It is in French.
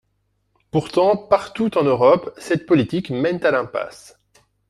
Pourtant, partout en Europe, cette politique mène à l’impasse.